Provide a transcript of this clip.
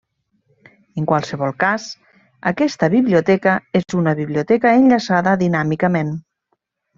En qualsevol cas, aquesta biblioteca és una biblioteca enllaçada dinàmicament.